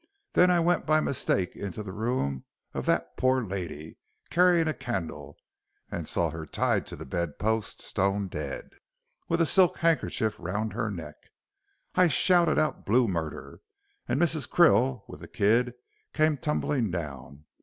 Then I went by mistake into the room of that pore lady, carrying a candle, and saw her tied to the bedpost stone dead, with a silk handkerchief round her neck. I shouted out blue murder, and Mrs. Krill with the kid came tumbling down.